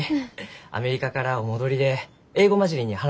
アメリカからお戻りで英語交じりに話されます。